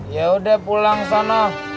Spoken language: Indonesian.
yaudah pulang sono